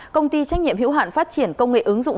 công ty trách nhiệm hiểu hạn phát triển công nghệ ứng dụng